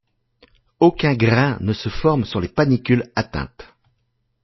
Aucun grain ne se forme sur les panicules atteintes.